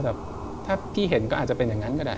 แบบถ้าพี่เห็นก็อาจจะเป็นอย่างนั้นก็ได้